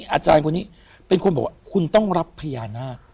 อาจารย์คนนี้เป็นคนบอกว่าคุณต้องรับพญานาค